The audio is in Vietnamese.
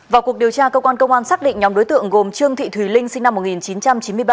vào cuộc điều tra cơ quan công an xác định nhóm đối tượng gồm trương thị thùy linh sinh năm một nghìn chín trăm chín mươi ba